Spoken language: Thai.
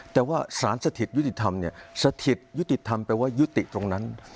แต่ว่าสารสถิตยุติธรรมเนี่ยสถิตยุติธรรมแปลว่ายุติตรงนั้น